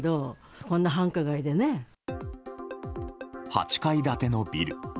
８階建てのビル。